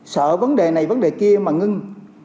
sợ vấn đề này vấn đề kia mà ngưng